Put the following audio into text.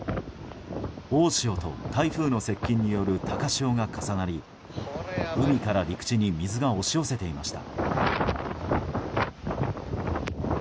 大潮と台風の接近による高潮が重なり海から陸地に水が押し寄せていました。